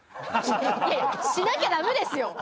いやしなきゃダメですよ。